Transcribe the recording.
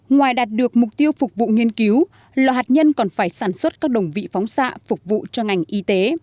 ngoài đạt được mục tiêu phục vụ nghiên cứu lò hạt nhân còn phải sản xuất các đồng vị phóng xạ phục vụ cho ngành y tế